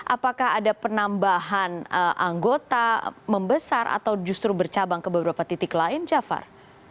apakah ada penambahan anggota membesar atau justru bercabang ke beberapa titik lain jafar